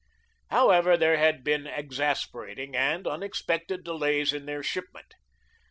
However, there had been exasperating and unexpected delays in their shipment.